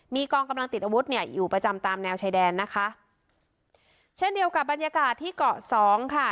มีกองกำลังติดอาวุธเนี่ยอยู่ประจำตามแนวชายแดนนะคะเช่นเดียวกับบรรยากาศที่เกาะสองค่ะ